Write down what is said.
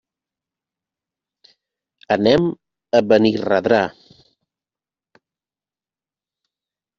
Anem a Benirredrà.